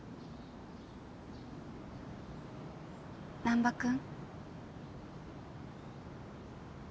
難破君？